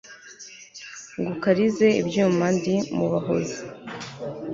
ngukarize ibyuma ndi mu bahozi